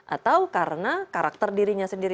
atau karena karakter dirinya sendiri